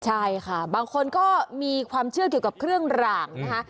ใช่ค่ะบางคนก็มีความเชื่อเกี่ยวกับเครื่องหร่างนะคะ